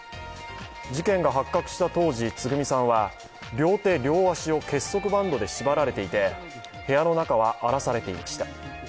事件が発覚した当時、つぐみさんは両手両足を結束バンドで縛られていて、部屋の中は荒らされていました。